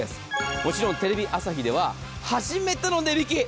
もちろんテレビ朝日では初めての値引き。